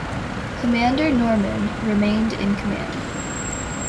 Commander Normand remained in command.